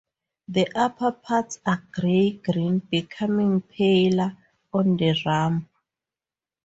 The upperparts are grey-green becoming paler on the rump.